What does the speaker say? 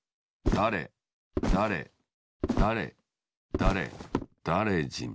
だれだれだれだれだれじん。